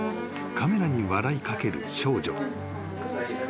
［カメラに笑いかける少女］